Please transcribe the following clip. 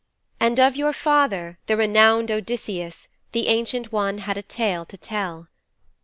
And of your father, the renowned Odysseus, the Ancient One had a tale to tell.